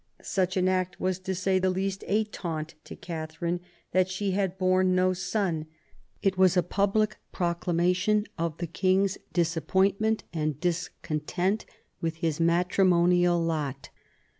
Such an act was, to say the least, a taunt to Katharine that she had borne no son; it was a public proclamation of the king's dis appointment and discontent with his matrimonial lot.